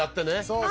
そう。